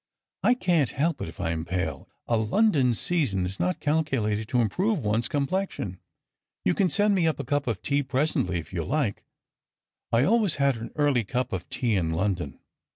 I can't help it if I am pale : a London season is not calculated to improve one's complexion. You can send me up a cup of tea presently, if you like ; I always had an early cup of tea in Lon don.